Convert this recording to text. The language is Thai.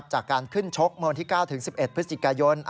จากการขึ้นชกเมื่อวันที่๙๑๑พฤศจิกายน